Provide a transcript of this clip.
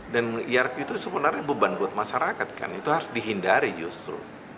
dan irp itu sebenarnya beban buat masyarakat kan itu harus dihindari justru